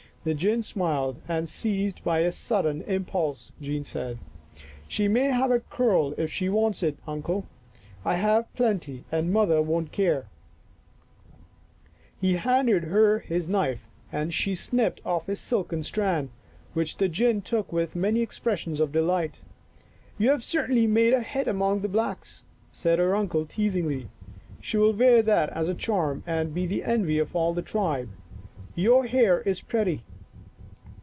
The gin smiled and, seized by a sudden impulse, Jean said, " She may have a curl if she wants it, Uncle. I have plenty and mother won't care." He 64 Our Little Australian Cousin handed her his knife and she snipped off a silken strand, which the gin took with many expres sions of delight. " You have certainly made a hit among the Blacks," said her uncle teasingly. " She will wear that as a charm and be the envy of all the tribe. Your hair is pretty.